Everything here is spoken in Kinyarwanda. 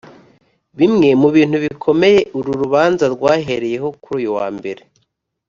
Bimwe mu bintu bikomeye uru rubanza rwahereyeho kuri uyu wa Mbere